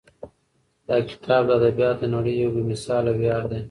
دا کتاب د ادبیاتو د نړۍ یو بې مثاله ویاړ دی.